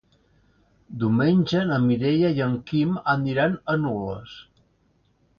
Diumenge na Mireia i en Quim aniran a Nules.